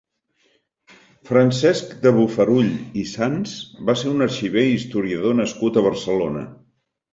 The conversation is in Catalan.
Francesc de Bofarull i Sans va ser un arxiver i historiador nascut a Barcelona.